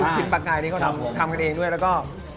ชิ้นปลากายนี้เขาทำกันเองด้วยแล้วก็